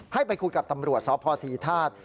ให้ไปคุยกับตำรวจสพศรีธาตุ